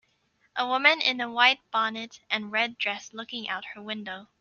A woman in a white bonnet and red dress looking out her window.